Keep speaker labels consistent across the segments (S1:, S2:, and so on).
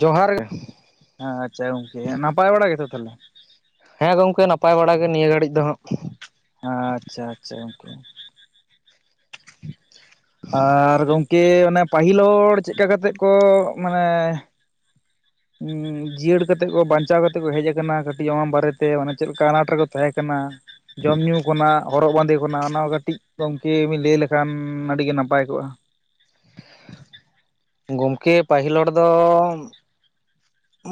S1: ᱡᱚᱦᱟᱨ
S2: ᱦᱮᱸ ᱟᱪᱷᱟ ᱜᱚᱝᱠᱮ ᱱᱟᱯᱟᱭ ᱵᱟᱲᱟ ᱜᱮᱛᱚ ᱛᱟᱦᱚᱞᱮ
S1: ᱦᱮᱸ ᱜᱚᱝᱠᱮ ᱱᱟᱯᱟᱭ ᱵᱟᱲ ᱜᱮ ᱱᱤᱭᱟᱹ ᱜᱷᱟᱹᱲᱤᱡ ᱫᱚ ᱦᱟᱸᱜ
S2: ᱟᱪᱷᱟ ᱟᱪᱷᱟ ᱜᱚᱝᱠᱮ ᱟᱨ ᱜᱚᱢᱠᱮ ᱚᱱᱮ ᱯᱟᱹᱦᱤᱞ ᱦᱚᱲ ᱪᱮᱫ ᱞᱮᱠᱟ ᱠᱟᱛᱮᱫ ᱠᱚ ᱢᱟᱱᱮ ᱡᱤᱭᱟᱹᱲ ᱠᱟᱛᱮᱜ ᱠᱚ ᱵᱟᱧᱪᱟᱣ ᱠᱟᱛᱮᱜ ᱠᱚ ᱦᱮᱡ ᱟᱠᱟᱱᱟ ᱠᱟᱹᱴᱤᱡ ᱚᱱᱟ ᱵᱟᱨᱮᱛᱮ ᱢᱟᱱᱮ ᱪᱮᱫ ᱞᱮᱠᱟ ᱟᱱᱟᱴ ᱨᱮᱠᱚ ᱛᱟᱦᱮᱸ ᱠᱟᱱᱟ ᱡᱚᱢ ᱧᱩ ᱠᱷᱚᱱᱟᱜ ᱦᱚᱨᱚᱜ ᱵᱟᱸᱫᱮ ᱠᱷᱱᱟᱜ ᱚᱱᱟ ᱠᱟᱹᱴᱤᱡ ᱜᱚᱢᱠᱮ ᱵᱮᱤᱱ ᱞᱟᱹᱭ ᱞᱮᱠᱷᱟᱱ ᱟᱹᱰᱤᱜ ᱱᱟᱯᱟᱭ ᱠᱚᱜᱼᱟ
S1: [inaudible] ᱜᱚᱢᱠᱮ ᱯᱟᱹᱦᱤᱞ ᱦᱚᱲ ᱫᱚ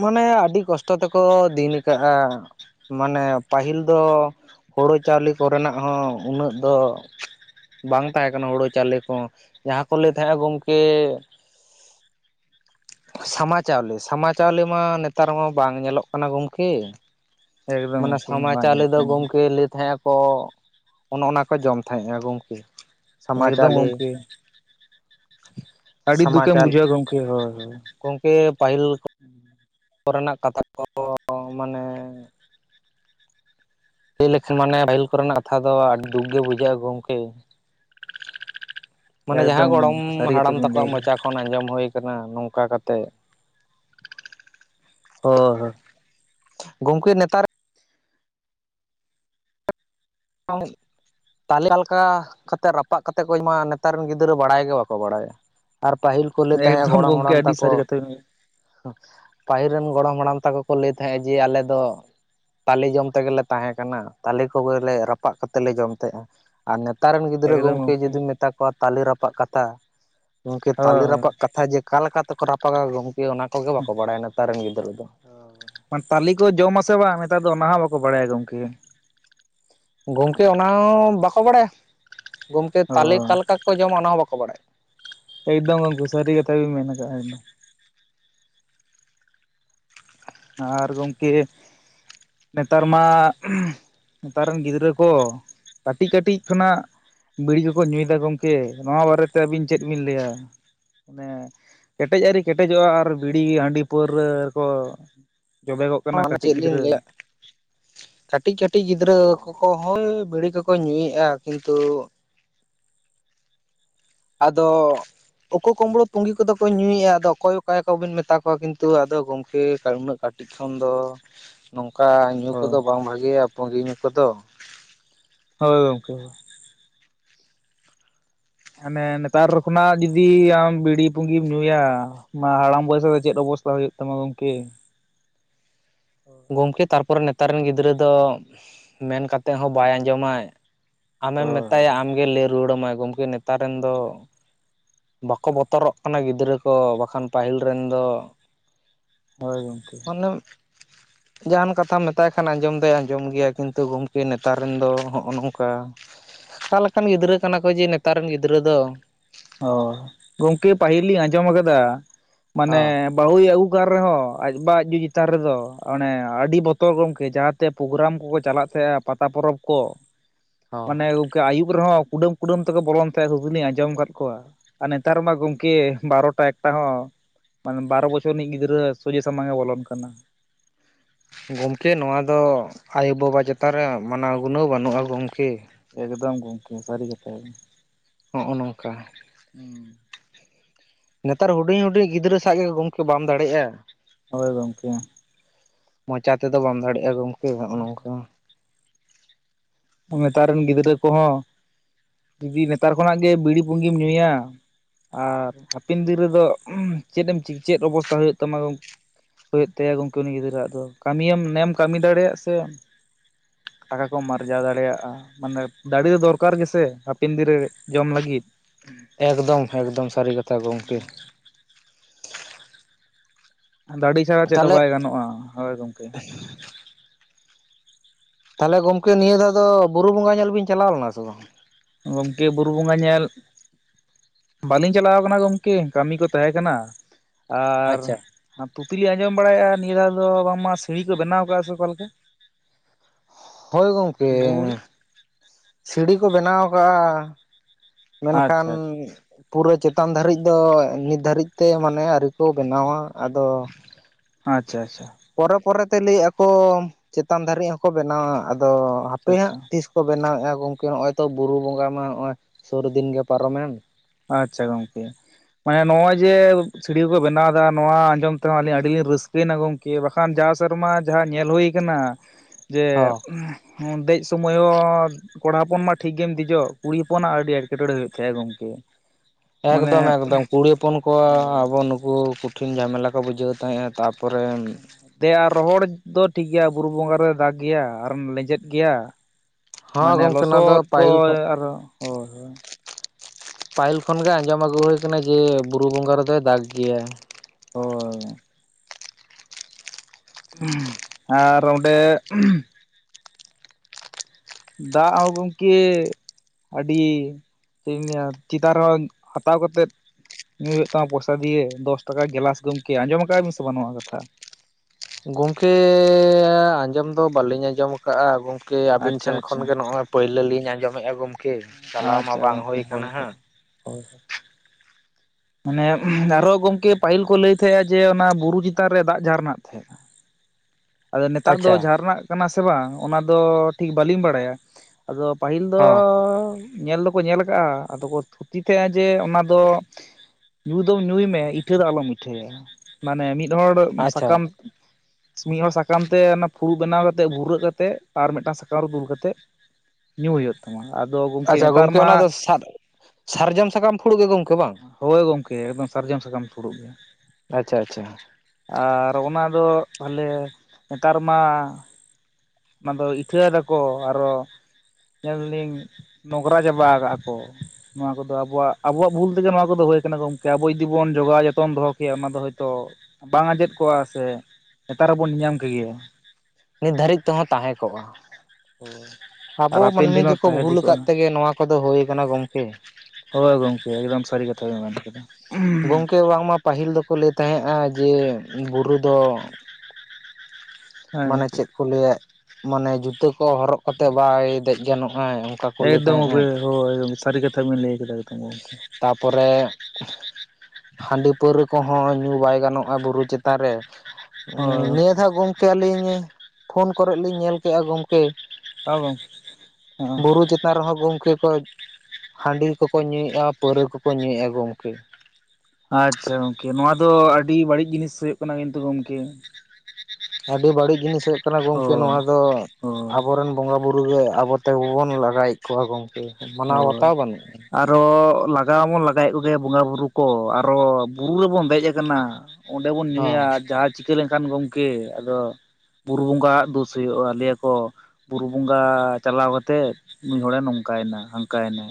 S1: ᱢᱟᱱᱮ ᱟᱹᱰᱤ ᱠᱚᱥᱴᱚ ᱛᱮᱠᱚ ᱫᱤᱱ ᱠᱟᱜᱼᱟ ᱢᱟᱱᱮ ᱯᱟᱹᱦᱤᱞ ᱫᱚ ᱦᱳᱲᱳ ᱪᱟᱣᱞᱮ ᱠᱚᱨᱮᱱᱟᱜ ᱦᱚᱸ ᱩᱱᱟᱹᱜ ᱫᱚ ᱵᱟᱝ ᱛᱟᱦᱮᱸ ᱠᱟᱱᱟ ᱦᱳᱲᱳ ᱪᱟᱣᱞᱮ ᱠᱚ ᱡᱟᱦᱟᱸ ᱠᱚ ᱞᱟᱹᱭ ᱛᱟᱦᱮᱸᱜᱼᱟ ᱜᱚᱢᱠᱮ ᱥᱟᱢᱟ ᱪᱟᱣᱞᱤ ᱥᱟᱢᱟ ᱪᱟᱣᱞᱤ ᱢᱟ ᱱᱮᱛᱟᱨ ᱢᱟ ᱵᱟᱝ ᱧᱮᱞᱚᱜ ᱠᱟᱱᱟ ᱜᱚᱢᱠᱮ
S2: ᱮᱠᱫᱚᱢ
S1: ᱢᱟᱱᱮ
S2: ᱜᱚᱝᱠᱮ
S1: ᱥᱟᱢᱟ
S2: ᱵᱟᱝ
S1: ᱪᱟᱣᱞᱮ
S2: ᱧᱮᱞᱚᱜ
S1: ᱫᱚ
S2: ᱠᱟᱱᱟ
S1: ᱜᱚᱢᱠᱮ ᱞᱟᱹᱭ ᱛᱟᱦᱮᱸ ᱟᱠᱚ ᱚᱱᱮ ᱚᱱᱟ ᱠᱚ ᱡᱚᱢ ᱛᱟᱦᱮᱸᱫᱼᱟ ᱜᱚᱢᱠᱮ ᱥᱟᱢᱟ
S2: ᱮᱠᱫᱚᱢ
S1: ᱪᱟᱣᱞᱮ
S2: ᱜᱚᱢᱠᱮ ᱟᱹᱰᱤ ᱫᱩᱠᱮᱢ ᱵᱩᱡᱷᱟᱹᱣᱟ ᱜᱚᱢᱠᱮ ᱦᱳᱭ ᱦᱳᱭ
S1: ᱜᱚᱝᱠᱮ ᱯᱟᱹᱦᱤᱞ ᱠᱚ ᱠᱚᱨᱮᱱᱟᱜ ᱠᱟᱛᱷᱟ ᱠᱚ ᱢᱟᱱᱮ ᱞᱟᱹᱭ ᱞᱮᱠᱷᱟᱱ ᱢᱟᱱᱮ ᱯᱟᱹᱦᱤᱞ ᱠᱚᱨᱮᱱᱟᱜ ᱠᱟᱛᱷᱟ ᱫᱚ ᱟᱹᱰᱤ ᱫᱩᱠ ᱜᱮ ᱵᱩᱡᱷᱟᱹᱜᱼᱟ ᱜᱚᱢᱠᱮ
S2: [inaudible]
S1: ᱢᱟᱱᱮ ᱡᱟᱦᱟᱸ ᱜᱚᱲᱚᱢ
S2: ᱥᱟᱹᱨᱤ ᱠᱟᱛᱷᱟ
S1: ᱦᱟᱲᱟᱢ
S2: ᱵᱤᱱ ᱞᱟᱹᱭ
S1: ᱛᱟᱠᱚᱣᱟᱜ
S2: ᱠᱟᱫᱟ
S1: ᱢᱚᱪᱟ ᱠᱷᱚᱱ ᱟᱸᱡᱚᱢ ᱦᱩᱭᱩ ᱟᱠᱟᱱᱟ ᱱᱚᱝᱠᱟ ᱠᱟᱛᱮᱜ
S2: [unintelligible]
S1: ᱜᱚᱝᱠᱮ ᱱᱮᱛᱟᱨ ᱚᱝ ᱛᱟᱞᱮ ᱟᱠᱟᱞᱮᱠᱟ ᱠᱟᱛᱮ ᱨᱟᱯᱟᱜ ᱠᱟᱛᱮᱫ ᱠᱚ ᱡᱚᱢᱟ ᱱᱮᱛᱟᱨ ᱨᱮᱱ ᱜᱤᱫᱽᱨᱟᱹ ᱵᱟᱲᱟᱭ ᱜᱮ ᱵᱟᱠᱚ ᱵᱟᱲᱟᱭᱟ ᱟᱨ ᱯᱟᱹᱦᱤᱞ ᱠᱚ ᱞᱮᱫ
S2: ᱦᱳᱭ
S1: ᱛᱟᱦᱮᱸᱱ
S2: ᱮᱠᱫᱚᱢ
S1: ᱜᱚᱲᱚᱢ
S2: ᱜᱚᱝᱠᱮ
S1: ᱦᱟᱲᱟᱢ
S2: ᱟᱹᱰᱤ
S1: ᱛᱮᱠᱚ
S2: ᱥᱟᱹᱨᱤ ᱠᱟᱛᱷᱟ ᱵᱤᱱ
S1: ᱯᱟᱹᱦᱤᱞ ᱨᱤᱱ ᱜᱚᱲᱚᱢ ᱦᱟᱲᱟᱢ ᱛᱟᱠᱚ ᱠᱚ ᱞᱟᱹᱭᱮᱫ ᱛᱟᱦᱮᱸ ᱡᱮ ᱟᱞᱮ ᱫᱚ ᱛᱟᱞᱮ ᱡᱚᱢ ᱛᱮᱜᱮᱞᱮ ᱛᱟᱦᱮᱸ ᱠᱟᱱᱟ ᱛᱟᱞᱮ ᱠᱚᱜᱮ ᱨᱟᱯ ᱨᱟᱯᱟᱜ ᱠᱟᱛᱮ ᱞᱮ ᱡᱚᱢ ᱛᱟᱦᱮᱸᱱ ᱟᱨ ᱱᱮᱛᱟᱨ ᱨᱤᱱ
S2: ᱞᱟᱹᱭ
S1: ᱜᱤᱫᱽᱨᱟᱹ
S2: ᱮᱠᱫᱚᱢ
S1: ᱜᱚᱢᱠᱮ
S2: ᱜᱚᱝᱠᱮ ᱦᱳᱭ
S1: ᱡᱩᱫᱤᱢ ᱢᱮᱛᱟ ᱠᱚᱣᱟ ᱛᱟᱞᱮ ᱨᱟᱯᱟᱜ ᱠᱟᱛᱷᱟ ᱜᱚᱢᱠᱮ ᱛᱟᱞᱮ
S2: ᱦᱳᱭ
S1: ᱨᱟᱯᱟᱜ ᱠᱟᱛᱷᱟ ᱡᱮ ᱚᱠᱟ ᱞᱮᱠᱟ ᱛᱮᱠᱚ ᱨᱟᱯᱟᱜᱟ ᱜᱚᱢᱠᱮ ᱚᱱᱟ ᱠᱚ ᱜᱚᱢᱠᱮ ᱵᱟᱠᱚ ᱵᱟᱲᱟᱭᱟ ᱱᱮᱛᱟᱨ ᱨᱤᱱ ᱜᱤᱫᱽᱨᱟᱹ ᱫᱚ
S2: ᱢᱟᱱᱮ ᱛᱟᱞᱤ ᱠᱚ ᱡᱚᱢᱟᱥᱮ ᱵᱟᱝ ᱱᱮᱛᱟᱨ ᱫᱚ ᱚᱱᱟ ᱦᱚᱸ ᱵᱟᱠᱚ ᱵᱟᱲᱟᱭᱟ ᱜᱚᱝᱠᱮ
S1: ᱜᱚᱢᱠᱮ ᱚᱱᱟ ᱦᱚᱸ ᱵᱟᱠᱚ ᱵᱟᱲᱟᱭᱟ ᱜᱚᱢᱠᱮ
S2: ᱚ
S1: ᱛᱟᱞᱮ ᱚᱠᱟ ᱞᱮᱠᱟ ᱠᱚ ᱡᱚᱢᱟ ᱚᱱᱟ ᱦᱚᱸ ᱵᱟᱠᱚ ᱵᱟᱲᱟᱭᱟ
S2: ᱮᱠᱫᱚᱢ ᱜᱚᱢᱠᱮ ᱥᱟᱹᱨᱤ ᱠᱟᱛᱷᱟ ᱵᱤᱱ ᱢᱮᱱ ᱟᱠᱟᱫᱼᱟ ᱟᱨ ᱜᱚᱢᱠᱮ ᱱᱮᱛᱟᱨ ᱢᱟ ᱱᱮᱛᱟᱨ ᱨᱤᱱ ᱜᱤᱫᱽᱨᱟᱹ ᱠᱚ ᱠᱟᱹᱴᱤᱡ ᱠᱟᱹᱴᱤᱡ ᱠᱷᱚᱱᱟᱜ ᱵᱤᱲᱤ ᱠᱚᱠᱚ ᱧᱩᱭᱮᱫᱫᱟ ᱜᱚᱝᱠᱮ ᱱᱚᱣᱟ ᱵᱟᱨᱮᱛᱮ ᱟᱹᱵᱤᱱ ᱪᱮᱫ ᱵᱤᱱ ᱞᱟᱹᱭᱟ ᱦᱮᱸ ᱠᱮᱴᱮᱡ ᱟᱹᱨᱤ ᱠᱮᱴᱮᱡᱚᱜᱼᱟ ᱟᱨ ᱵᱤᱲᱤ ᱦᱟᱺᱰᱤ ᱯᱟᱹᱣᱨᱟᱹᱠᱚ
S1: ᱦᱚᱸ ᱚᱱᱟᱮ ᱪᱮᱫ ᱞᱤᱧ ᱞᱟᱹᱭᱟ ᱠᱟᱹᱴᱤᱡ ᱠᱟᱹᱴᱤᱡ ᱜᱤᱫᱽᱨᱟᱹ ᱠᱚᱠᱚ ᱦᱚᱭ ᱵᱷᱤᱲᱤ ᱠᱚᱠᱚ ᱧᱩᱭᱮᱫᱼᱟ ᱠᱤᱱᱛᱩ ᱟᱫᱚ ᱩᱠᱩ ᱠᱩᱢᱲᱩ ᱯᱩᱝᱜᱤ ᱠᱚᱫᱚ ᱠᱚ ᱧᱩᱭᱮᱜ-ᱟ ᱟᱫᱚ ᱚᱠᱚᱭ ᱚᱠᱟ ᱠᱚᱵᱮᱱ ᱢᱮᱛᱟ ᱠᱚᱣᱟ ᱠᱤᱱᱛᱩ ᱟᱫᱚ ᱜᱚᱢᱠᱮ ᱩᱱᱟᱹᱜ ᱠᱟᱹᱴᱤᱡ ᱮᱠᱷᱚᱱ ᱫᱚ ᱱᱚᱝᱠᱟ ᱧᱩ ᱠᱚᱫᱚ ᱵᱟᱝ ᱵᱷᱟᱹᱜᱤᱭᱟ ᱯᱩᱸᱜᱤ ᱧᱩ ᱠᱚᱫᱚ
S2: ᱦᱚᱭ ᱜᱚᱝᱠᱮ ᱦᱟᱱᱮ ᱱᱮᱛᱟᱨ ᱠᱷᱚᱱᱟᱜ ᱡᱩᱫᱤ ᱟᱢ ᱵᱤᱰᱤ ᱯᱩᱸᱜᱤᱢ ᱧᱩᱭᱟ ᱟᱢᱟᱜ ᱦᱟᱲᱟᱢ ᱵᱚᱭᱮᱥ ᱨᱮᱫᱚ ᱪᱮᱫ ᱚᱵᱚᱥᱛᱟ ᱦᱩᱭᱩᱜ ᱛᱟᱢᱟ ᱜᱚᱝᱠᱮ
S1: ᱜᱚᱢᱠᱮ ᱛᱟᱨᱯᱚᱨᱮ ᱱᱮᱛᱟᱨ ᱨᱮᱱ ᱜᱤᱫᱽᱨᱟᱹ ᱫᱚ ᱢᱮᱱ ᱠᱟᱛᱮᱫ ᱦᱚᱸ ᱵᱟᱭ ᱟᱸᱡᱚᱢᱟ ᱟᱢᱮᱢ
S2: ᱦᱳᱭ
S1: ᱢᱮᱛᱟᱭᱟ ᱟᱢᱜᱮ ᱞᱟᱹᱭ ᱨᱩᱣᱟᱹᱲ ᱟᱢᱟᱭ ᱜᱚᱝᱠᱮ ᱱᱮᱛᱟᱨ ᱨᱤᱱ ᱫᱚ
S2: ᱦᱳᱭ
S1: ᱵᱟᱠᱚ ᱵᱚᱛᱚᱨᱚᱜ ᱠᱟᱱᱟ ᱜᱤᱫᱽᱨᱟᱹ ᱠᱚ ᱵᱟᱠᱷᱟᱱ ᱯᱟᱹᱦᱤᱞ ᱨᱤᱱ ᱫᱚ ᱢᱟᱱᱮ
S2: ᱦ
S1: ᱡᱟᱦᱟᱱ ᱠᱟᱛᱷᱟᱢ ᱢᱮᱛᱟᱭ ᱠᱷᱟᱱ ᱟᱸᱡᱚᱢ ᱫᱚᱭ ᱟᱸᱡᱚᱢ ᱜᱮᱭᱟ ᱠᱤᱱᱛᱩ ᱜᱚᱝᱠᱮ ᱱᱮᱛᱟᱨ ᱨᱮᱱ ᱫᱚ ᱦᱚ ᱚᱸᱱᱚᱜ-ᱚ ᱱᱚᱝᱠᱟ ᱚᱠᱟ ᱞᱮᱠᱟᱱ ᱜᱤᱫᱽᱨᱟᱹ ᱠᱟᱱᱟ ᱠᱚ ᱡᱮ ᱱᱮᱛᱟᱨ ᱨᱮᱱ ᱜᱤᱫᱽᱨᱟᱹ ᱫᱚ
S2: ᱳ ᱜᱚᱝᱠᱮ ᱯᱟᱹᱦᱤᱞ ᱞᱤᱧ ᱟᱸᱡᱚᱢ ᱟᱠᱟᱫᱟ ᱢᱟᱱᱮ
S1: ᱦᱚᱸ
S2: ᱵᱟᱹᱦᱩᱭ ᱟᱹᱜᱩᱣᱟᱠᱟᱱ ᱨᱮᱦᱚᱸ ᱟᱡ ᱵᱟ ᱦᱟᱜ ᱡᱤᱣᱤ ᱪᱮᱛᱟᱱ ᱨᱮᱫᱚ ᱚᱱᱮ ᱟᱹᱰᱤ ᱵᱚᱛᱚᱨ ᱜᱚᱝᱠᱮ ᱡᱟᱦᱟᱸ ᱛᱮ ᱯᱨᱚᱜᱨᱟᱢ ᱠᱚᱠᱚ ᱪᱟᱞᱟᱜ ᱛᱟᱦᱮᱸᱜᱼᱟ ᱯᱟᱛᱟ ᱯᱚᱨᱚᱵᱽ ᱠᱚ
S1: ᱦᱚᱸ
S2: ᱢᱟᱱᱮ ᱜᱚᱝᱠᱮ ᱟᱹᱭᱩᱵ ᱨᱮᱦᱚᱸ ᱠᱩᱰᱟᱹᱢ ᱠᱩᱰᱟᱹᱢ ᱛᱮᱠᱚ ᱵᱚᱞᱚᱱ ᱛᱟᱦᱮᱸᱱ ᱚᱱᱠᱟᱞᱤᱧ ᱟᱸᱡᱚᱢ ᱟᱠᱟᱫ ᱠᱚᱣᱟ ᱠᱚ ᱟ ᱟᱨ ᱱᱮᱛᱟᱨ ᱢᱟ ᱜᱚᱝᱠᱮ ᱵᱟᱨᱚᱴᱟ ᱮᱠᱴᱟ ᱦᱚᱸ ᱢᱟᱱᱮ ᱵᱟᱨᱚ ᱵᱚᱪᱷᱚᱨ ᱨᱤᱱᱤᱡ ᱜᱤᱫᱽᱨᱟᱹ ᱥᱚᱡᱷᱮ ᱥᱟᱢᱟᱝ ᱮ ᱵᱚᱞᱚᱱ ᱠᱟᱱᱟ
S1: ᱜᱚᱝᱠᱮ ᱱᱚᱣᱟ ᱫᱚ ᱟᱭᱳ ᱵᱟᱵᱟ ᱪᱮᱛᱟᱱ ᱨᱮ ᱢᱟᱱᱟᱣ ᱜᱩᱱᱟᱹᱣ ᱵᱟᱹᱱᱩᱜ-ᱟ ᱜᱚᱝᱠᱮ᱾
S2: ᱮᱠᱫᱚᱢ ᱜᱚᱝᱠᱮ ᱥᱟᱹᱨᱤ ᱠᱟᱛᱷᱟ ᱜᱮᱸ
S1: ᱦᱚᱸ ᱚ ᱱᱚᱜ ᱱᱚᱝᱠᱟ
S2: ᱦᱩᱸ,
S1: ᱱᱮᱛᱟᱨ ᱦᱩᱰᱤᱧ ᱦᱩᱰᱤᱧ ᱜᱤᱫᱽᱨᱟᱹ ᱥᱟᱶ ᱜᱮ ᱜᱚᱝᱠᱮ ᱵᱟᱢ ᱫᱟᱲᱮᱭᱟᱜᱼᱟ᱾
S2: ᱦᱚᱭ ᱜᱚᱝᱠᱮ
S1: ᱢᱚᱪᱟ ᱛᱮᱫᱚ ᱵᱟᱢ ᱫᱟᱲᱮᱜ-ᱟ ᱜᱚᱝᱠᱮ ᱦᱚᱸᱚ ᱱᱚᱸᱜ-ᱚ ᱱᱚᱝᱠᱟ
S2: ᱱᱮᱛᱟᱨ ᱨᱤᱱ ᱜᱤᱫᱽᱨᱟᱹ ᱠᱚᱦᱚᱸ ᱡᱩᱫᱤ ᱱᱮᱛᱟᱨ ᱠᱷᱚᱱᱟᱜ ᱜᱮ ᱵᱤᱲᱤ ᱯᱩᱸᱜᱤᱢ ᱧᱩᱭᱟ ᱟᱨ ᱦᱟᱯᱮᱱ ᱫᱤᱱ ᱨᱮᱫᱚ ᱪᱮᱫ ᱮᱢ ᱪᱮᱫ ᱚᱵᱚᱥᱛᱟ ᱦᱩᱭᱩᱜ ᱛᱟᱢᱟ ᱦᱩᱭᱩᱜ ᱛᱟᱭᱟ ᱜᱚᱢᱠᱮ ᱩᱱᱤ ᱜᱤᱫᱽᱨᱟᱹ ᱦᱟᱜ ᱫᱚ ᱠᱟᱹᱢᱤᱭ ᱱᱮᱢ ᱠᱟᱹᱢᱤ ᱫᱟᱲᱮᱭᱟᱜ ᱥᱮ᱾ ᱴᱟᱠᱟ ᱠᱚᱢ ᱟᱨᱡᱟᱣ ᱫᱟᱲᱮᱭᱟᱜᱼᱟ ᱢᱟᱱᱮ ᱫᱟᱲᱮ ᱫᱚ ᱫᱚᱨᱠᱟᱨ ᱜᱮᱥᱮ ᱦᱟᱯᱮᱱ ᱫᱤᱱ ᱨᱮ ᱡᱚᱢ ᱞᱟᱹᱜᱤᱫ᱾
S1: ᱮᱠᱫᱚᱢ ᱮᱠᱫᱚᱢ ᱥᱟᱹᱨᱤ ᱠᱟᱛᱷᱟ ᱜᱚᱝᱠᱮ ᱾
S2: ᱫᱟᱹᱲᱤ ᱪᱷᱟᱲᱟ ᱪᱮᱫ ᱦᱚᱸ
S1: ᱛᱟᱦᱚᱞᱮ
S2: ᱵᱟᱭ ᱜᱟᱱᱚᱜᱼᱟ ᱦᱚᱭ ᱜᱚᱝᱠᱮ᱾
S1: ᱛᱟᱦᱚᱞᱮ ᱜᱚᱝᱠᱮ ᱱᱤᱭᱟᱹ ᱫᱷᱟᱣ ᱫᱚ ᱵᱩᱨᱩ ᱵᱚᱸᱜᱟ ᱧᱮᱞ ᱵᱤᱱ ᱪᱟᱞᱟᱣ ᱞᱮᱱᱟ ᱥᱮ ᱵᱟᱝ?
S2: ᱜᱚᱝᱠᱮ ᱵᱩᱨᱩ ᱵᱚᱸᱜᱟ ᱧᱮᱞ ᱵᱟᱹᱞᱤᱧ ᱪᱟᱞᱟᱣ ᱟᱠᱟᱱᱟ ᱜᱚᱝᱠᱮ ᱠᱟᱹᱢᱤ ᱠᱚ ᱛᱟᱦᱮᱸ ᱠᱟᱱᱟ ᱟᱨ᱾
S1: ᱟᱪᱪᱷᱟ
S2: ᱛᱷᱩᱛᱤᱞᱤᱧ ᱟᱸᱡᱚᱢ ᱵᱟᱲᱟᱭᱮᱫᱼᱟ ᱱᱤᱭᱟᱹ ᱫᱷᱟᱣ ᱫᱚ ᱵᱟᱝᱢᱟ ᱥᱤᱲᱤ ᱠᱚ ᱵᱮᱱᱟᱣ ᱟᱠᱟᱫᱼᱟ ᱥᱮ ᱚᱠᱟ ᱞᱮᱠᱟ? [inaudible]
S1: ᱦᱳᱭ ᱜᱚᱝᱠᱮ
S2: ᱵᱩᱨᱩ ᱨᱮ
S1: ᱥᱤᱲᱤ ᱠᱚ ᱵᱮᱱᱟᱣ ᱟᱠᱟᱜ-ᱟ᱾ ᱢᱮᱱᱠᱷᱟᱱ
S2: ᱟᱪᱪᱷᱟ ᱟᱪᱪᱷᱟ
S1: ᱯᱩᱨᱟᱹ ᱪᱮᱛᱟᱱ ᱫᱷᱟᱹᱨᱤᱡ ᱫᱚ ᱱᱤᱛ ᱫᱷᱟᱹᱨᱤᱡ ᱛᱮ ᱢᱟᱱᱮ ᱟᱹᱨᱤ ᱠᱚ ᱵᱮᱱᱟᱣᱟ ᱟᱫᱚ
S2: ᱟᱪᱪᱷᱟ ᱟᱪᱪᱷᱟ᱾
S1: ᱯᱚᱨᱮ ᱯᱚᱨᱮᱛᱮ ᱞᱟᱹᱭᱮᱫ ᱟᱠᱚ ᱪᱮᱛᱟᱱ ᱫᱷᱟᱹᱨᱤᱡ ᱦᱚᱸᱠᱚ ᱵᱮᱱᱟᱣᱟ ᱟᱫᱚ ᱦᱟᱯᱮ ᱦᱟᱸᱜ
S2: ᱟᱪᱪᱷᱟ ᱟᱪᱪᱷᱟ
S1: ᱛᱤᱥ ᱠᱚ ᱵᱮᱱᱟᱣᱮᱫ-ᱟ ᱜᱚᱝᱠᱮ ᱱᱚᱜ-ᱚᱭ ᱛᱚ ᱵᱩᱨᱩ ᱵᱚᱸᱜᱟ ᱢᱟ ᱱᱚᱜ-ᱚᱭ ᱥᱩᱨ ᱫᱤᱱ ᱜᱮ ᱯᱟᱨᱚᱢ ᱢᱮᱱ
S2: ᱟᱪᱪᱷᱟ ᱜᱚᱝᱠᱮ᱾ ᱢᱟᱱᱮ ᱱᱚᱜ ᱚᱭ ᱡᱮ ᱥᱤᱲᱤᱭᱟᱹ ᱯᱮ ᱵᱮᱱᱟᱣ ᱫᱟ ᱱᱚᱣᱟ ᱟᱸᱡᱚᱢ ᱛᱮᱦᱚᱸ ᱞᱤᱧ ᱟᱹᱰᱤ ᱞᱤᱧ ᱨᱟᱹᱥᱠᱟᱹᱭ ᱮᱱᱟ ᱜᱚᱝᱠᱮ ᱠᱤ ᱵᱟᱠᱷᱟᱱ ᱡᱟᱣ ᱥᱮᱨᱢᱟ ᱡᱟᱦᱟᱸ ᱧᱮᱞ ᱦᱩᱭ ᱟᱠᱟᱱᱟ ᱡᱮ
S1: ᱦᱚᱸ
S2: ᱦᱮᱸ ᱫᱮᱡ ᱥᱩᱢᱚᱭ ᱦᱚᱸ ᱠᱚᱲᱟ ᱦᱚᱯᱚᱱ ᱢᱟ ᱴᱷᱤᱠ ᱜᱮᱢ ᱫᱮᱡᱚᱜ ᱠᱩᱲᱤ ᱦᱚᱯᱚᱱᱟᱜ ᱟᱹᱰᱤ ᱮᱴᱠᱮᱴᱚᱬᱮ ᱦᱩᱭᱩᱜ ᱛᱟᱦᱮᱸᱜ ᱜᱚᱝᱠᱮ᱾ ᱢᱟᱱᱮ
S1: ᱮᱠᱫᱚᱢ ᱮᱠᱫᱚᱢ ᱠᱩᱲᱤ ᱦᱚᱯᱚᱱ ᱠᱚ ᱟᱵᱚ ᱱᱩᱠᱩ ᱠᱚᱴᱷᱤᱱ ᱡᱷᱟᱢᱮᱞᱟ ᱠᱚ ᱵᱩᱡᱷᱟᱹᱣ ᱛᱟᱦᱮᱸᱜᱼᱟ ᱛᱟ ᱯᱚᱨᱮᱱ
S2: ᱫᱮ ᱟᱨ ᱨᱚᱦᱚᱲ ᱫᱚ ᱴᱷᱤᱠ ᱜᱮᱭᱟ ᱵᱩᱨᱩ ᱵᱚᱸᱜᱟ ᱨᱮ ᱫᱟᱜ ᱜᱮᱭᱟ ᱟᱨᱮᱢ ᱞᱮᱸᱡᱮᱫ ᱜᱮᱭᱟ
S1: ᱦᱚᱸ
S2: ᱢᱟᱱᱮ
S1: ᱜᱚᱝᱠᱮ ᱚᱱᱟ ᱫᱚ
S2: ᱞᱚᱥᱚᱫ
S1: ᱯᱟᱹᱦᱤᱞ
S2: ᱠᱚᱭ
S1: ᱠᱷᱚᱱ
S2: ᱟᱨᱚ, ᱦᱳᱭ ᱦᱳᱭ
S1: ᱯᱟᱹᱦᱤᱞ ᱠᱷᱚᱱ ᱜᱮ ᱟᱸᱡᱚᱢ ᱟᱹᱜᱩ ᱦᱩᱭ ᱠᱟᱱᱟ ᱡᱮ ᱵᱩᱨᱩ ᱵᱚᱸᱜᱟ ᱨᱮᱫᱚᱭ ᱫᱟᱜᱽ ᱜᱮᱭᱟ᱾
S2: ᱦᱳᱭ᱾ ᱟᱨ ᱚᱸᱰᱮ ᱫᱟᱜ ᱦᱚᱸ ᱜᱚᱢᱠᱮ ᱟᱹᱰᱤ ᱪᱮᱫ ᱤᱧ ᱞᱟᱹᱭᱟ ᱪᱮᱛᱟᱱ ᱨᱮᱦᱚᱸ ᱦᱟᱛᱟᱣ ᱠᱟᱛᱮᱫ ᱧᱩᱭ ᱦᱩᱭᱩᱜ ᱛᱟᱢᱟ ᱯᱚᱭᱥᱟ ᱫᱤᱭᱮ ᱫᱚᱥ ᱴᱟᱠᱟ ᱜᱮᱞᱟᱥ ᱜᱚᱝᱠᱮ ᱟᱸᱡᱚᱢ ᱟᱠᱟᱫ ᱵᱤᱱ ᱥᱮ ᱵᱟᱝ ᱱᱚᱣᱟ ᱠᱟᱛᱷᱟ᱾
S1: ᱜᱚᱢᱠᱮ ᱟᱸᱡᱚᱢ ᱫᱚ ᱵᱟᱹᱞᱤᱧ ᱟᱸᱡᱚᱢ ᱟᱠᱟᱜ-ᱟ ᱜᱚᱢᱠᱮ ᱟᱹᱵᱤᱱ
S2: ᱟᱪᱪᱷᱟ
S1: ᱴᱷᱮᱱ
S2: ᱟᱪᱪᱷᱟ
S1: ᱠᱷᱚᱱᱜᱮ ᱱᱚᱜ-ᱚᱭ ᱯᱳᱭᱞᱟᱹ ᱞᱤᱧ ᱟᱸᱡᱚᱢᱮᱫ-ᱟ ᱜᱚᱢᱠᱮ ᱪᱟᱞᱟᱣ ᱢᱟ
S2: ᱟᱪᱪᱷᱟ
S1: ᱵᱟᱝ
S2: ᱜᱚᱝᱠᱮ
S1: ᱦᱩᱭ ᱠᱟᱱᱟ
S2: ᱦᱳᱭ
S1: ᱦᱟᱸᱜ
S2: ᱦᱳᱭ ᱦᱳᱭ ᱢᱟᱱᱮ ᱟᱨᱚ ᱜᱚᱢᱠᱮ ᱯᱟᱹᱦᱤᱞ ᱠᱚ ᱞᱟᱹᱭ ᱛᱟᱦᱮᱸᱜ-ᱟ ᱡᱮ ᱚᱱᱟ ᱵᱩᱨᱩ ᱪᱮᱛᱟᱱ ᱨᱮ ᱫᱟᱜ ᱡᱷᱟᱨᱱᱟᱜ ᱛᱟᱦᱮᱸᱫ ᱟᱫᱚ ᱱᱮᱛᱟᱨ ᱫᱚ
S1: ᱟᱪᱪᱷᱟ
S2: ᱡᱷᱟᱨᱱᱟᱜ ᱠᱟᱱᱟ ᱥᱮ ᱵᱟᱝ ᱚᱱᱟ ᱫᱚ ᱴᱷᱤᱠ ᱵᱟᱹᱞᱤᱧ ᱵᱟᱲᱟᱭᱟ ᱟᱫᱚ ᱯᱟᱦᱤᱞ ᱫᱚᱻ
S1: ᱦᱚᱸ
S2: ᱧᱮᱞ ᱫᱚᱠᱚ ᱧᱮᱞ ᱟᱠᱟᱜ-ᱟ ᱟᱫᱚ ᱠᱚ ᱛᱷᱩᱛᱤ ᱛᱟᱦᱮᱸᱜ-ᱟ ᱡᱮ ᱚᱱᱟ ᱫᱚ ᱧᱩ ᱫᱚᱢ ᱧᱩᱭ ᱢᱮ ᱤᱴᱷᱟᱹ ᱫᱚ ᱟᱞᱚᱢ ᱤᱴᱷᱟᱹᱭᱟ ᱢᱟᱱᱮ ᱢᱤᱫᱦᱚᱲ
S1: ᱟᱪᱪᱷᱟ
S2: ᱥᱟᱠᱟᱢ ᱢᱤᱫ ᱦᱚᱲ ᱥᱟᱠᱟᱢ ᱛᱮ ᱚᱱᱟ ᱯᱷᱩᱲᱩᱜ ᱵᱮᱱᱟᱣ ᱠᱟᱛᱮ ᱵᱷᱩᱨᱟᱹᱜ ᱠᱟᱛᱮᱫ ᱟᱨ ᱢᱤᱫᱴᱟᱝ ᱥᱟᱠᱟᱢ ᱨᱮ ᱫᱩᱞ ᱠᱟᱛᱮᱜ ᱧᱩ ᱦᱩᱭᱩᱜ ᱛᱟᱢᱟ ᱟᱫᱚ ᱜᱚᱝᱠᱮ
S1: ᱟᱪᱪᱷᱟ
S2: ᱦᱮᱸᱛᱟᱨ ᱢᱟ
S1: ᱚᱱᱟ ᱫᱚ ᱥᱟᱨ ᱥᱟᱨᱡᱚᱢ ᱥᱟᱠᱟᱢ ᱯᱷᱩᱲᱩᱜ ᱜᱮ ᱜᱚᱝᱠᱮ ᱵᱟᱝ
S2: ᱦᱳᱭ ᱜᱚᱢᱠᱮ ᱮᱠᱫᱚᱢ ᱥᱟᱨᱡᱚᱢ ᱥᱟᱠᱟᱢ ᱯᱷᱩᱲᱩᱜ
S1: ᱟᱪᱪᱷᱟ ᱟᱪᱪᱷᱟ
S2: ᱟᱨ ᱚᱱᱟ ᱫᱚ ᱛᱟᱦᱞᱮ ᱱᱮᱛᱟᱨ ᱢᱟ ᱚᱱᱟ ᱫᱚ ᱤᱴᱷᱟᱹ ᱣᱟᱫᱟᱠᱚ ᱟᱨᱚ ᱧᱮᱞ ᱫᱤᱧ ᱱᱚᱜᱨᱟ ᱪᱟᱵᱟ ᱟᱠᱟᱜᱼᱟ ᱠᱚ ᱱᱚᱣᱟ ᱠᱚᱫᱚ ᱟᱵᱚᱣᱟᱜ ᱟᱵᱚᱣᱟᱜ ᱵᱷᱩᱞ ᱛᱮᱜᱮ ᱱᱚᱣᱟ ᱠᱚᱫᱚ ᱦᱩᱭ ᱠᱟᱱᱟ ᱜᱚᱝᱠᱮ ᱟᱵᱚ ᱡᱩᱫᱤ ᱵᱚᱱ ᱡᱚᱜᱟᱣ ᱡᱚᱛᱚᱱ ᱫᱚᱦᱚ ᱠᱮᱭᱟ ᱚᱱᱟ ᱫᱚ ᱦᱚᱭ ᱛᱚ ᱵᱟᱝ ᱟᱸᱡᱮᱫ ᱠᱚᱜ-ᱟ ᱥᱮ ᱦᱮᱸᱛᱟᱨ ᱦᱚᱸᱵᱚᱱ ᱧᱟᱢ ᱠᱮᱜᱮᱭᱟ
S1: ᱱᱤᱛ ᱫᱷᱟᱹᱨᱤᱡ ᱛᱮᱦᱚᱸ ᱛᱟᱦᱮᱸ ᱠᱚᱜ-ᱟ
S2: ᱦᱳᱭ
S1: ᱟᱵᱚ
S2: ᱟᱨ ᱦᱟᱯᱮᱱ
S1: ᱢᱟᱹᱱᱢᱤ
S2: ᱫᱤᱱ ᱦᱚᱸ
S1: ᱜᱮᱠᱚ
S2: ᱛᱟᱦᱮᱸ ᱴᱷᱤᱠᱚᱜᱼᱟ
S1: ᱵᱷᱩᱞᱠᱟᱫ ᱛᱮᱜᱮ ᱱᱚᱣᱟ ᱠᱚᱫᱚ ᱦᱩᱭ ᱠᱟᱱᱟ ᱜᱚᱝᱠᱮ
S2: ᱦᱳᱭ ᱜᱚᱢᱠᱮ ᱮᱠᱫᱚᱢ ᱥᱟᱹᱨᱤ ᱠᱟᱛᱷᱟ ᱵᱮᱱ ᱢᱮᱱ ᱠᱟᱫᱟ
S1: ᱜᱚᱝᱠᱮ ᱵᱟᱝᱢᱟ ᱯᱟᱹᱦᱤᱞ ᱫᱚᱠᱚ ᱞᱟᱹᱭ ᱛᱟᱦᱮᱸᱜ-ᱟ ᱡᱮ ᱵᱩᱨᱩ ᱫᱚ
S2: ᱦᱮᱸ
S1: ᱢᱟᱱᱮ
S2: ᱜᱚᱢᱠᱮ
S1: ᱪᱮᱫ ᱠᱚ ᱞᱟᱹᱭᱟ ᱢᱟᱱᱮ ᱡᱩᱛᱟᱹ ᱠᱚ ᱦᱚᱨᱚᱜ ᱠᱟᱛᱮᱜ ᱵᱟᱭ ᱫᱮᱡ ᱜᱟᱱᱚᱜ-ᱟᱭ
S2: ᱮᱠᱫᱚᱢ ᱜᱮ ᱦᱳᱭ ᱥᱟᱹᱨᱤ ᱠᱟᱛᱷᱟ ᱵᱤᱱ ᱞᱟᱹᱭ ᱠᱮᱫᱟ ᱮᱠᱫᱚᱢ ᱜᱚᱝᱠᱮ
S1: ᱛᱟᱯᱚᱨᱮ ᱦᱟᱺᱰᱤ ᱯᱟᱹᱣᱨᱟᱹ ᱠᱚᱦᱚᱸ ᱧᱩ ᱵᱟᱭ ᱜᱟᱱᱚᱜ-ᱟ ᱵᱩᱨᱩ ᱪᱮᱛᱟᱱ ᱨᱮ
S2: ᱦᱳᱭ
S1: ᱱᱤᱭᱟᱹ ᱫᱷᱟ ᱜᱚᱝᱠᱮ ᱟᱹᱞᱤᱧ ᱯᱷᱳᱱ ᱠᱚᱨᱮᱜ ᱞᱤᱧ ᱧᱮᱞ ᱠᱮᱜ-ᱟ ᱜᱚᱢᱠᱮ
S2: ᱛᱟᱣ ᱵᱟᱝᱼᱼ
S1: ᱵᱩᱨᱩ ᱪᱮᱛᱟᱱ ᱨᱮᱦᱚᱸ ᱜᱚᱢᱠᱮᱼᱼ ᱠᱚ ᱦᱟᱸᱰᱤ ᱠᱚᱠᱚ ᱧᱩᱭᱮᱜ-ᱟ ᱯᱟᱹᱣᱨᱟᱹ ᱠᱚᱠᱚ ᱧᱩ ᱭᱮᱜ-ᱟ ᱜᱚᱢᱠᱮ᱾
S2: ᱟᱪᱪᱷᱟ ᱜᱚᱝᱠᱮ ᱱᱚᱣᱟ ᱫᱚ ᱟᱰᱤ ᱵᱟᱲᱤᱡ ᱡᱤᱱᱤᱥ ᱦᱩᱭᱩᱜ ᱠᱟᱱᱟ ᱠᱤᱱᱛᱩ ᱜᱚᱢᱠᱮ᱾
S1: ᱟᱰᱤ ᱵᱟᱲᱤᱡ ᱡᱤᱱᱤᱥ ᱦᱩᱭᱩᱜ ᱠᱟᱱᱟ
S2: ᱚ
S1: ᱜᱚᱝᱠᱮ ᱱᱚᱣᱟ ᱫᱚ
S2: ᱦᱳᱭ
S1: ᱟᱵᱚ ᱨᱮᱱᱼᱼ ᱵᱚᱸᱜᱟ ᱵᱩᱨᱩ ᱜᱮ ᱟᱵᱚ ᱛᱮ ᱵᱚᱱ ᱞᱟᱜᱟᱭᱮᱜ ᱠᱚᱣᱟ ᱜᱚᱝᱠᱮ ᱢᱟᱱᱟᱣ ᱵᱟᱛᱟᱣ ᱵᱟᱱᱩᱜ
S2: ᱟᱫᱚ ᱞᱟᱜᱟᱣ ᱢᱟᱵᱚᱱ ᱞᱟᱜᱟᱭᱮᱜ ᱠᱚᱜᱮ ᱵᱚᱸᱜᱟ ᱵᱩᱨᱩ ᱠᱚ ᱟᱨᱚ ᱵᱩᱨᱩ ᱨᱮᱵᱚᱱ ᱫᱮᱡ ᱠᱟᱱᱟᱼᱼ ᱚᱸᱰᱮ ᱵᱚᱱ
S1: ᱦᱚᱸ
S2: ᱧᱩᱭᱟ ᱟᱨ ᱡᱟᱦᱟᱸ ᱪᱤᱠᱟᱹ ᱞᱮᱱᱠᱷᱟᱱ ᱜᱚᱝᱠᱮ ᱟᱫᱚᱼᱼ ᱵᱩᱨᱩ ᱵᱚᱸᱜᱟ ᱣᱟᱜ ᱫᱳᱥ ᱦᱩᱭᱩᱜ-ᱟ ᱞᱟᱹᱭᱟ ᱠᱚᱼᱼ ᱵᱩᱨᱩ ᱵᱚᱸᱜᱟ ᱪᱟᱞᱟᱣ ᱠᱟᱛᱮᱜ ᱱᱩᱭ ᱦᱚᱲᱮ ᱱᱚᱝᱠᱟᱭ ᱱᱟ ᱦᱟᱝᱠᱟ ᱭᱮᱱᱟ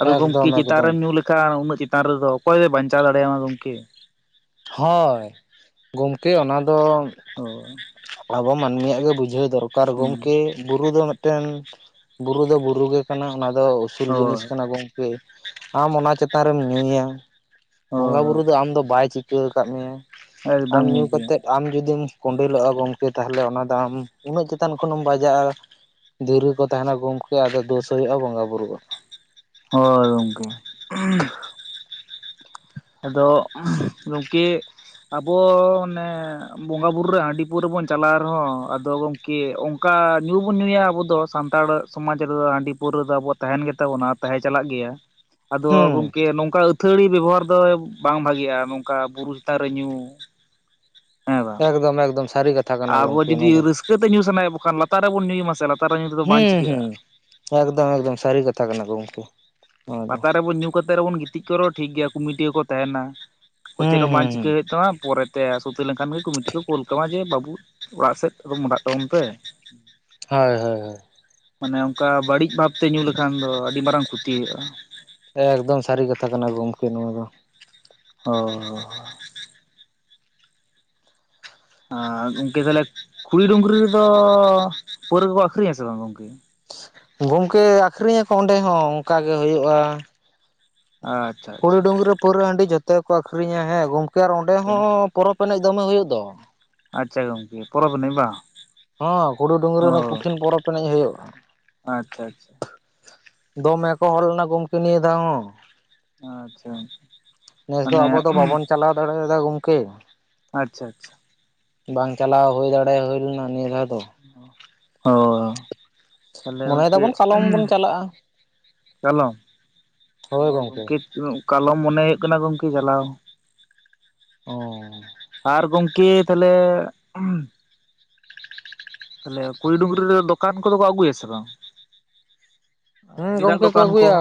S2: ᱟᱫᱚ ᱜᱚᱢᱠᱮ
S1: ᱮᱠᱫᱚᱢ
S2: ᱪᱮᱛᱟᱱ
S1: ᱮᱠᱫᱚᱢ
S2: ᱨᱮᱢ ᱧᱩᱸ ᱞᱮᱠᱷᱟᱱ ᱩᱱᱟᱹᱜ ᱪᱮᱛᱟᱱ ᱨᱮᱫᱚ ᱚᱠᱚᱭ ᱫᱚ ᱵᱟᱧᱪᱟᱣ ᱫᱟᱲᱮᱭᱟᱢᱟ ᱜᱚᱢᱠᱮ
S1: ᱦᱳᱭ ᱜᱚᱢᱠᱮ ᱚᱱᱟ ᱫᱚ
S2: ᱦᱳᱭ
S1: ᱟᱵᱚ ᱢᱟᱹᱱᱢᱤ ᱭᱟᱜ ᱜᱮ ᱵᱩᱡᱷᱟᱹᱣ ᱫᱚᱨᱠᱟᱨ
S2: ᱦᱩᱸ
S1: ᱜᱚᱢᱠᱮ ᱵᱩᱨᱩ ᱫᱚ ᱢᱤᱫᱴᱮᱱ ᱵᱩᱨᱩ ᱫᱚ ᱵᱩᱨᱩ ᱜᱮ ᱠᱟᱱᱟ ᱚᱱᱟ ᱫᱚ ᱩᱥᱩᱞ ᱡᱤᱱᱤᱥ
S2: ᱦᱳᱭ
S1: ᱠᱟᱱᱟ ᱵᱚᱝ ᱜᱮ ᱟᱢ ᱚᱱᱟ ᱪᱮᱛᱟᱱ ᱨᱮᱢ ᱧᱩᱭᱟ ᱵᱚᱸᱜᱟ ᱵᱩᱨᱩ ᱫᱚ
S2: ᱦᱳᱭ
S1: ᱟᱢ ᱫᱚ ᱵᱟᱭ ᱪᱤᱼᱼ ᱪᱤᱠᱟᱹᱣ ᱟᱠᱟᱜ ᱢᱮᱭᱟᱭ ᱟᱢ
S2: ᱮᱠᱫᱚᱢ
S1: ᱧᱩ
S2: ᱜᱚᱝᱠᱮ
S1: ᱠᱟᱛᱮᱫᱼᱼ ᱟᱢ ᱡᱩᱫᱤᱢ ᱠᱚᱸᱰᱮᱞᱚᱜ-ᱟ ᱜᱚᱢᱠᱮ ᱛᱟᱦᱚᱞᱮ ᱚᱱᱟ ᱫᱚ ᱟᱢ ᱩᱱᱟᱹᱜ ᱪᱮᱛᱟᱱ ᱠᱷᱚᱱᱮᱢ ᱵᱟᱡᱟᱜᱼᱟ᱾ ᱫᱤᱨᱤ ᱠᱚ ᱛᱟᱦᱮᱱᱟ ᱜᱚᱢᱠᱮ ᱟᱫᱚ ᱫᱳᱥ ᱦᱚᱭᱚᱜ-ᱟ ᱵᱚᱸᱜᱟ ᱵᱩᱨᱩ ᱣᱟᱜ᱾
S2: ᱦᱚᱭ ᱜᱚᱝᱠᱮ᱾ ᱟᱫᱚ ᱩᱸ ᱜᱚᱝᱠᱮᱜ ᱟᱵᱚ ᱚᱱᱮᱼᱼ ᱵᱚᱸᱜᱟ ᱵᱩᱨᱩ ᱨᱮ ᱦᱟᱹᱸᱰᱤ ᱯᱟᱹᱣᱨᱟᱹ ᱵᱚᱱ ᱪᱟᱞᱟᱣ ᱨᱮᱦᱚᱸ ᱟᱫᱚ ᱜᱚᱝᱠᱮ ᱚᱝᱠᱟ ᱧᱩᱵᱚᱱ ᱧᱩᱭᱟ ᱟᱵᱩ ᱫᱚ ᱥᱟᱱᱛᱟᱲᱼᱼ ᱥᱚᱢᱟᱡᱽ ᱨᱮᱫᱚ ᱦᱟᱸᱰᱤ ᱯᱟᱹᱣᱨᱟᱹ ᱫᱚ ᱟᱵᱚᱣᱟᱜ ᱛᱟᱦᱮᱱ ᱜᱮᱛᱟ ᱵᱚᱱᱟ ᱟᱨ ᱛᱟᱦᱮᱸ ᱪᱟᱞᱟᱜ ᱜᱮᱭᱟ᱾ ᱟᱫᱚ
S1: ᱦᱩᱸ
S2: ᱜᱚᱢᱠᱮ ᱱᱚᱝᱠᱟ ᱟᱹᱛᱷᱟᱹᱣᱲᱤ ᱵᱮᱵᱚᱦᱟᱨᱼᱼ ᱛᱚᱭᱮᱵ ᱵᱟᱝ ᱵᱷᱟᱜᱤ ᱭᱟ ᱱᱚᱝᱠᱟ ᱵᱩᱨᱩ ᱪᱮᱛᱟᱱ ᱨᱮ ᱧᱩ, ᱦᱮᱸ ᱵᱟᱝ᱾
S1: ᱮᱠᱫᱚᱢ ᱮᱠᱫᱚᱢ ᱥᱟᱨᱤ ᱠᱟᱛᱷᱟ ᱠᱟᱱᱟ
S2: ᱟᱵᱚ
S1: ᱜᱚᱢᱠᱮ
S2: ᱡᱩᱫᱤ
S1: ᱚᱱᱟ ᱫᱚ
S2: ᱨᱟᱹᱥᱠᱟᱹ ᱛᱮ ᱧᱩ ᱥᱟᱱᱟᱭᱮᱜ ᱵᱚᱠᱷᱟᱱ ᱞᱟᱛᱟᱨ ᱨᱮᱵᱚᱱ ᱧᱩᱭᱟ ᱢᱟ ᱥᱮ ᱞᱟᱛᱟᱨ ᱨᱮ ᱧᱩ ᱛᱮᱫᱚ ᱵᱟᱝ
S1: ᱦᱩᱸ ᱦᱩᱸ
S2: ᱪᱤᱠᱟᱹᱜᱼᱟ
S1: ᱮᱠᱫᱚᱢ ᱮᱠᱫᱚᱢ ᱥᱟᱨᱤ ᱠᱟᱛᱷᱟ ᱠᱟᱱᱟ ᱜᱚᱢᱠᱮ᱾ ᱱᱚᱣᱟ ᱫᱚ ᱦᱩᱸ
S2: ᱯᱟᱛᱟ ᱨᱮᱵᱚᱱ ᱧᱩ ᱠᱟᱛᱮᱜ ᱨᱮᱵᱚᱱ ᱜᱤᱛᱤᱡ ᱠᱚᱜ ᱨᱮᱦᱚᱸ ᱴᱷᱤᱠ ᱜᱮᱭᱟ ᱠᱩᱢᱤᱴᱤ ᱦᱚᱸ ᱠᱚ ᱛᱮᱦᱮᱱᱟ᱾ ᱪᱮᱫ ᱦᱚᱸ ᱵᱟᱝ
S1: ᱦᱩᱸ
S2: ᱪᱤᱠᱟᱹ
S1: ᱦᱩᱸ
S2: ᱦᱩᱭᱩᱜ ᱛᱟᱢᱟ ᱯᱚᱨᱮᱼᱼ ᱯᱚᱨᱮᱛᱮ ᱥᱩᱛᱤᱞ‌ ᱞᱮᱱᱠᱷᱟᱱ ᱜᱮ ᱠᱚᱢᱤᱴᱤ ᱠᱚ ᱠᱳᱞ ᱠᱟᱢᱟ ᱡᱮ ᱵᱟᱵᱩ ᱚᱲᱟᱜ ᱥᱮᱫ ᱢᱚᱸᱰᱷᱟᱜ ᱛᱟᱵᱚᱱ ᱯᱮ᱾
S1: ᱦᱚᱭ ᱦᱚᱭ ᱦᱚᱭ᱾
S2: ᱢᱟᱱᱮ ᱚᱱᱠᱟ ᱵᱟᱲᱤᱡ ᱵᱷᱟᱵᱽ ᱛᱮ ᱧᱩ ᱞᱮᱠᱷᱟᱱ ᱫᱚ ᱟᱹᱰᱤ ᱢᱟᱨᱟᱝ ᱠᱷᱩᱛᱤ‌ ᱦᱩᱭᱩᱜ-ᱟ᱾
S1: ᱮᱠᱫᱚᱢ ᱥᱟᱨᱤ ᱠᱟᱛᱷᱟ ᱠᱟᱱᱟ ᱜᱚᱢᱠᱮ ᱱᱚᱣᱟ ᱫᱚ᱾
S2: ᱦᱚᱻ᱾ ᱟᱨ ᱜᱚᱝᱠᱮ ᱛᱟᱦᱚᱞᱮ ᱠᱷᱩᱲᱤ ᱰᱩᱝᱨᱤ ᱨᱮᱫᱚ ᱯᱟᱹᱣᱨᱟᱹ ᱠᱚᱠᱚ ᱟᱠᱷᱨᱤᱧᱟ ᱥᱮ ᱵᱟᱝ ᱜᱚᱝᱠᱮ?
S1: ᱜᱚᱝᱠᱮ ᱟᱠᱷᱨᱤᱧ ᱧᱟᱠᱚ ᱚᱸᱰᱮ ᱦᱚᱸ ᱚᱱᱠᱟ ᱜᱮ ᱦᱩᱭᱩᱜ-ᱟ᱾
S2: ᱟᱪᱪᱷᱟ
S1: ᱠᱩᱲᱩ
S2: ᱟᱪᱪᱷᱟ
S1: ᱰᱩᱝᱨᱤ ᱨᱮ ᱯᱟᱹᱣᱨᱟᱹ ᱦᱟᱺᱰᱤ ᱡᱚᱛᱚ ᱜᱮ ᱠᱚ ᱟᱠᱷᱨᱤᱧᱟ ᱦᱮᱸ ᱜᱚᱝᱠᱮ ᱟᱨ ᱚᱸᱰᱮ
S2: ᱟᱪᱪᱷᱟ
S1: ᱦᱚᱸ ᱯᱚᱨᱚᱯ ᱮᱱᱮᱡ ᱫᱚᱢᱮ ᱦᱩᱭᱩᱜ ᱫᱚ᱾
S2: ᱟᱪᱪᱷᱟ ᱜᱚᱝᱠᱮ ᱯᱚᱨᱚᱵᱽ ᱮᱱᱮᱡ ᱵᱟᱝ᱾
S1: ᱦᱚᱸ ᱠᱷᱩᱸᱲᱤ ᱰᱩᱝᱨᱤ
S2: ᱚ
S1: ᱨᱮ ᱠᱩᱴᱷᱤᱱ ᱯᱚᱨᱚᱯ ᱮᱱᱮᱡ ᱦᱩᱭᱩᱜ-ᱟ᱾
S2: ᱟᱪᱪᱷᱟ ᱟᱪᱪᱷᱟ
S1: ᱫᱚᱢᱮ ᱠᱚ ᱦᱚᱲ ᱞᱮᱱᱟ ᱜᱚᱝᱠᱮ ᱱᱤᱭᱟᱹ ᱫᱷᱟᱣ ᱦᱚᱸ᱾
S2: ᱟᱪᱪᱷᱟ ᱟᱪᱪᱷᱟ
S1: ᱱᱮᱥ ᱫᱚ ᱟᱵᱚ ᱫᱚ ᱵᱟᱵᱚᱱ ᱪᱟᱞᱟᱣ ᱫᱟᱲᱮ ᱭᱟᱫᱟ ᱜᱚᱝᱠᱮ᱾
S2: ᱟᱪᱪᱷᱟ ᱟᱪᱪᱷᱟ᱾
S1: ᱵᱟᱝ ᱪᱟᱞᱟᱣ ᱦᱩᱭ ᱫᱟᱲᱮ ᱦᱩᱭ ᱞᱮᱱᱟ ᱱᱤᱭᱟᱹ ᱫᱷᱟᱣ ᱫᱚ᱾
S2: ᱚᱦ ᱦᱳ᱾
S1: ᱢᱚᱱᱮᱭ ᱫᱟᱵᱚᱱ ᱠᱟᱞᱚᱢ ᱵᱚᱱ ᱪᱟᱞᱟᱜ-ᱟ᱾ ᱦᱳᱭ ᱜᱚᱝᱠᱮ᱾
S2: ᱩᱸᱜ ᱠᱟᱞᱚᱢ ᱢᱚᱱᱮ ᱦᱩᱭᱩᱜ ᱠᱟᱱᱟ ᱜᱚᱝᱠᱮ ᱪᱟᱞᱟᱣ᱾
S1: ᱚᱻ
S2: ᱟᱨ ᱜᱚᱝᱠᱮ ᱛᱟᱦᱚᱞᱮ [inaudible] ᱛᱟᱦᱚᱞᱮ ᱠᱷᱩᱸᱲᱤ ᱰᱩᱝᱨᱤ ᱨᱮ ᱫᱚᱠᱟᱱ ᱠᱚᱫᱚᱠᱚ ᱟᱹᱜᱩᱭᱟ ᱥᱮ ᱵᱟᱝ?
S1: ᱦᱮᱸ
S2: [unintelligible] ᱜᱮᱸᱫᱟᱜ
S1: ᱜᱚᱢᱠᱮ
S2: ᱫᱚᱠᱟᱱ ᱠᱚ
S1: ᱟᱹᱜᱩᱭᱟ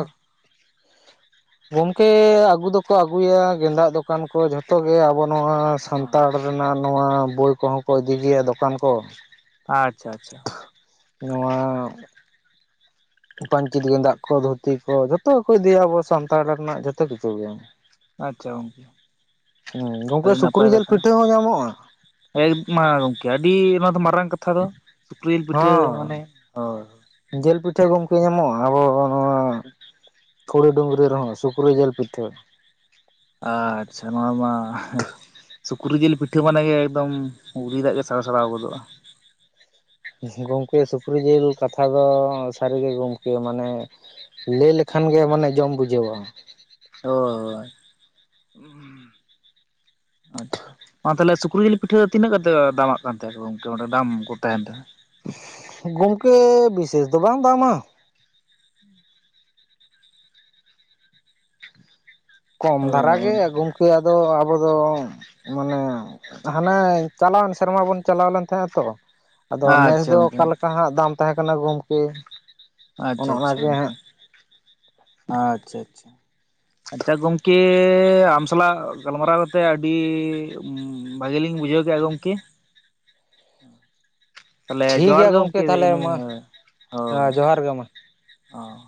S1: ᱜᱚᱢᱠᱮ ᱟᱹᱜᱩ ᱫᱚᱠᱚ ᱟᱹᱜᱩᱭᱟ ᱜᱮᱸᱫᱟᱜ ᱫᱚᱠᱟᱱ ᱠᱚ ᱡᱷᱚᱛᱚ ᱜᱮ ᱟᱵᱚ ᱱᱚᱣᱟ ᱥᱟᱱᱛᱟᱲ ᱨᱮᱱᱟᱜ ᱱᱚᱣᱟ ᱵᱳᱭ ᱠᱚᱦᱚᱸ ᱠᱚ ᱤᱫᱤ ᱜᱮᱭᱟ ᱫᱚᱠᱟᱱ ᱠᱚ᱾
S2: ᱟᱪᱪᱷᱟ ᱪᱷᱟ ᱪᱷᱟ
S1: ᱱᱚᱣᱟ ᱯᱟᱹᱧᱪᱤᱛ ᱜᱮᱸᱫᱟᱜ ᱠᱚ ᱫᱷᱩᱛᱤ ᱠᱚ ᱡᱷᱚᱛᱚ ᱜᱮ ᱠᱚ ᱤᱫᱤᱭᱟ ᱟᱵᱚ ᱥᱟᱱᱛᱟᱲ ᱨᱮᱱᱟᱜ ᱡᱚᱛᱚ ᱠᱤᱪᱷᱩ ᱜᱮ᱾
S2: ᱟᱪᱪᱷᱟ ᱜᱚᱝᱠᱮ
S1: ᱦᱩᱸ ᱜᱚᱝᱠᱮ
S2: ᱟᱹᱰᱤ
S1: ᱥᱩᱠᱨᱤ
S2: ᱱᱟᱯᱟᱭ
S1: ᱡᱤᱞ
S2: ᱠᱟᱛᱷᱟ
S1: ᱯᱤᱴᱷᱟᱹ ᱦᱚᱸ ᱧᱟᱢᱚᱜᱼᱟ?
S2: ᱮᱠ ᱢᱟ ᱜᱚᱝᱠᱮ ᱟᱹᱰᱤ ᱚᱱᱟ ᱫᱚ ᱢᱟᱨᱟᱝ ᱠᱟᱛᱷᱟ ᱫᱚ ᱥᱩᱠᱨᱤᱞ ᱯᱤᱴᱷᱟᱹ
S1: ᱦᱚᱸ
S2: ᱢᱟᱱᱮ ᱦᱳᱭ
S1: ᱡᱤᱞ ᱯᱤᱴᱷᱟᱹ ᱜᱚᱢᱠᱮ ᱧᱟᱢᱚᱜ-ᱟ ᱟᱵᱚ ᱱᱚᱣᱟᱼᱼ ᱠᱷᱩᱲᱤ ᱰᱩᱝᱨᱤ ᱨᱮᱦᱚᱸ ᱥᱩᱠᱨᱤ ᱡᱤᱞ ᱯᱤᱴᱷᱟᱹ᱾
S2: ᱟᱪᱪᱷᱟ ᱱᱚᱣᱟ ᱢᱟ, ᱦᱮᱸᱻᱼᱼ ᱥᱩᱠᱨᱤ ᱡᱤᱞ ᱯᱤᱴᱷᱟᱹ ᱢᱟᱱᱮ ᱮᱠᱫᱚᱢ ᱩᱞᱤ ᱫᱟᱜ ᱜᱮ ᱥᱟᱲ ᱥᱟᱲᱟᱣ ᱜᱚᱫᱚᱜᱼᱟ᱾
S1: ᱜᱚᱢᱠᱮ ᱥᱩᱠᱨᱤ ᱡᱤᱞ ᱠᱟᱛᱷᱟ ᱫᱚ ᱥᱟᱹᱨᱤᱜᱮ ᱜᱚᱢᱠᱮ ᱢᱟᱱᱮ ᱞᱟᱹᱭ ᱞᱮᱠᱷᱟᱱ ᱜᱮ ᱢᱟᱱᱮ ᱡᱚᱢ ᱵᱩᱡᱟᱹᱣᱟ ᱾
S2: ᱦᱳᱭ ᱟᱪᱷᱟ ᱢᱟ ᱛᱟᱦᱚᱞᱮ ᱥᱩᱠᱨᱤ ᱡᱤᱞ ᱯᱤᱴᱷᱟᱹ ᱫᱚ ᱛᱤᱱᱟᱹᱜ ᱠᱟᱛᱮ ᱫᱟᱢᱟᱜ ᱠᱟᱱ ᱛᱟᱦᱮᱸ ᱜᱚᱝᱠᱮ ᱚᱱᱰᱮ ᱫᱟᱢ ᱠᱚ ᱛᱟᱦᱮᱱ ᱛᱟᱦᱮᱸᱫ?
S1: ᱜᱚᱝᱠᱮ ᱵᱤᱥᱮᱥ ᱫᱚ ᱵᱟᱝ ᱫᱟᱢᱟ ᱠᱚᱢ
S2: ᱚ
S1: ᱫᱷᱟᱨᱟᱜᱮ ᱜᱚᱢᱠᱮ ᱟᱫᱚ ᱟᱵᱚᱫᱚ ᱢᱟᱱᱮ ᱦᱟᱱᱮ ᱪᱟᱞᱟᱣᱮᱱ ᱥᱮᱨᱢᱟ ᱵᱚᱱ ᱪᱟᱞᱟᱣ ᱞᱮᱱ ᱛᱟᱦᱮᱸᱱᱟ ᱛᱚ ᱟᱫᱚ ᱱᱮᱥ
S2: ᱟᱪᱪᱷᱟ
S1: ᱫᱚ
S2: ᱜᱚᱝᱠᱮ
S1: ᱚᱠᱟ ᱞᱮᱠᱟ ᱦᱟᱸᱜ ᱫᱟᱢ ᱛᱟᱦᱮᱸ ᱠᱟᱱᱟ ᱜᱚᱢᱠᱮ?
S2: ᱟᱪᱷᱟ ᱪᱟ ᱪᱟ ᱜᱚᱝᱠᱮ ᱟᱪᱪᱷᱟ ᱪᱷᱟ ᱪᱷᱟ ᱟᱪᱷᱟ ᱜᱚᱝᱠᱮ ᱟᱢ ᱥᱟᱞᱟᱜ ᱜᱟᱞᱢᱟᱨᱟᱣ ᱠᱟᱛᱮᱜ ᱟᱹᱰᱤ ᱩᱢ ᱵᱷᱟᱹᱜᱤ ᱞᱤᱧ ᱵᱩᱡᱷᱟᱹᱣ ᱠᱮᱫᱟ ᱜᱚᱢᱠᱮ᱾ ᱛᱟᱦᱚᱞᱮ
S1: ᱴᱷᱤᱠ
S2: ᱡᱚᱦᱟᱨ
S1: ᱜᱮᱭᱟ
S2: ᱜᱮ ᱜᱚᱢᱠᱮ
S1: ᱛᱟᱦᱚᱞᱮ
S2: ᱤᱱᱟᱹ
S1: ᱢᱟ
S2: ᱦᱳᱭ
S1: ᱡᱚᱦᱟᱨ ᱜᱮ ᱢᱟ
S2: ᱦᱚᱸ